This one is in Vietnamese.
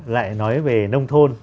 lại nói về nông thôn